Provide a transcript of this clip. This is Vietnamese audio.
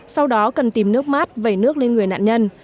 sau đó cần tìm nước mát vẩy nước lên người nạn nhân